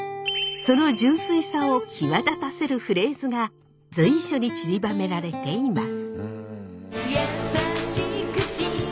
その純粋さを際立たせるフレーズが随所にちりばめられています。